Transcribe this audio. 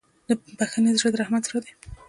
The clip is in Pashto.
د بښنې زړه د رحمت زړه دی.